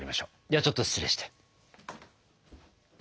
ではちょっと失礼して。